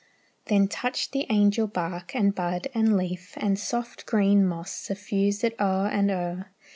Then touched the angel bark, and bud, and leaf, And soft green moss suffused it o'er and o'er.